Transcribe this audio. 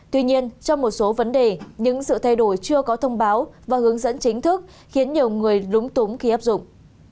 tuy nhiên trong một số vấn đề những sự thay đổi chưa có thông báo và hướng dẫn chính thức khiến nhiều người lúng túng khi áp dụng